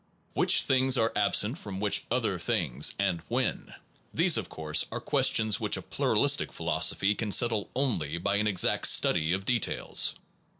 Which things are absent from which other things, and when, these of course are questions which a pluralistic philosophy can settle only by an exact study of details.